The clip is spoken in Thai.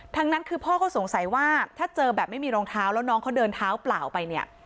นั้นคือพ่อเขาสงสัยว่าถ้าเจอแบบไม่มีรองเท้าแล้วน้องเขาเดินเท้าเปล่าไปเนี่ย